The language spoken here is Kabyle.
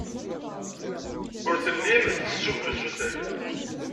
Ur tellim tettessum-d usuten.